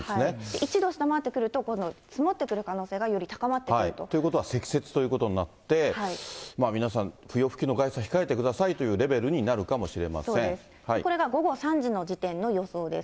１度下回ってくると、今度、積もってくる可能性がより高まっということは、積雪ということになって、皆さん、不要不急の外出は控えてくださいというレベルになるかもしれませこれが午後３時の時点の予想です。